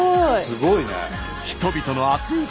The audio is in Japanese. すごいね。